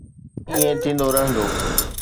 ائين ٿيندو رهندو.